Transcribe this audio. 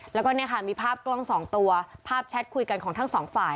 แล้วก็เนี่ยค่ะมีภาพกล้องสองตัวภาพแชทคุยกันของทั้งสองฝ่าย